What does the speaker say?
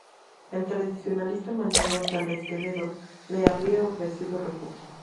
El tradicionalista Manuel González-Quevedo le habría ofrecido refugio.